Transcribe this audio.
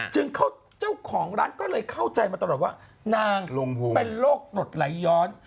จึงเจ้าของร้านเข้าใจมาตลอดว่านางไปโรคปรดไหลย้อน